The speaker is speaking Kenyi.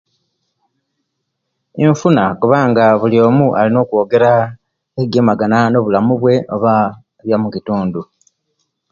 Infuna kubanga bulwomu alina okwogera ebigemagana nobulamu bwe oba byo'mukitundu